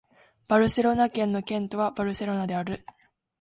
バルセロナ県の県都はバルセロナである